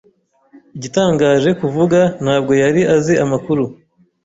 Igitangaje kuvuga, ntabwo yari azi amakuru.